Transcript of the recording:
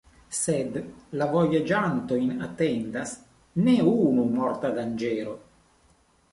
Sed la vojaĝantojn atendas ne unu morta danĝero.